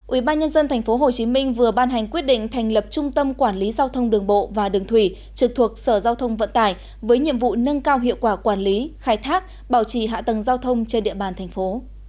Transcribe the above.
ubnd tp hcm vừa ban hành quyết định thành lập trung tâm quản lý giao thông đường bộ và đường thủy trực thuộc sở giao thông vận tải với nhiệm vụ nâng cao hiệu quả quản lý khai thác bảo trì hạ tầng giao thông trên địa bàn thành phố